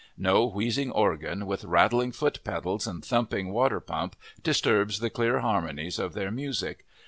No wheezing organ, with rattling foot pedals and thumping water pump, disturbs the clear harmonies of their music.